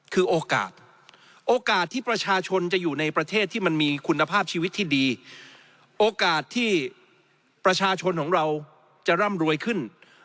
คือโอกาสโอกาสที่ประชาชนจะอยู่ในประเทศที่มันมีคุณภาพชีวิตที่ดีโอกาสที่ประชาชนของเราจะร่ำรวยขึ้น